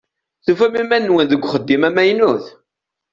Tufam iman-nwen deg uxeddim amaynut?